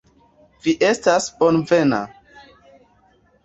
Vi estas bonvena.